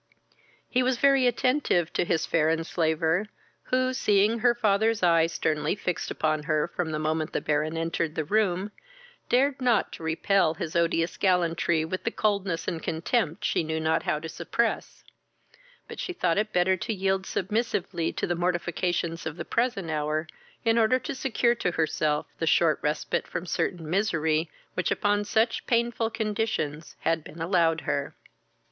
He was very attentive to his fair enslaver, who, seeing her father's eye sternly fixed upon her from the moment the Baron entered the room, dared not to repel his odious gallantry with the coldness and contempt she knew not how to suppress; but she thought it better to yield submissively to the mortifications of the present hour, in order to secure to herself the short respite from certain misery, which upon such painful conditions had been allowed her.